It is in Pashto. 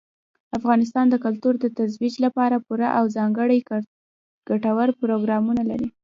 افغانستان د کلتور د ترویج لپاره پوره او ځانګړي ګټور پروګرامونه لري.